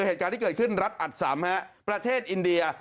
เหตุการณ์ที่เกิดขึ้นรัฐอัดสำประเทศอินเดีย